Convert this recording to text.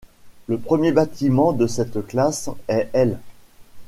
Le premier bâtiment de cette classe est l'.